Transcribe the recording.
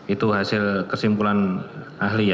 itu hasil kesimpulan ahli ya